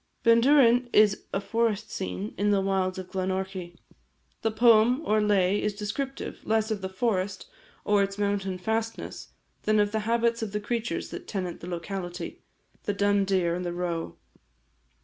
Bendourain is a forest scene in the wilds of Glenorchy. The poem, or lay, is descriptive, less of the forest, or its mountain fastnesses, than of the habits of the creatures that tenant the locality the dun deer, and the roe.